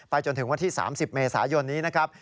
ไปจนถึงวันที่๓๐เมสาหญิงนี้นะครับ